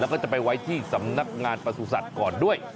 แล้วก็จะไปไว้ที่สำนักงานประสุทธิ์ก่อนด้วย